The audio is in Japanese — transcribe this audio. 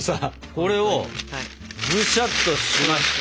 これをぐしゃっとしまして。